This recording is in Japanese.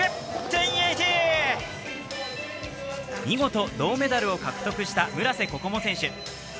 見事、銅メダルを獲得した村瀬心椛選手。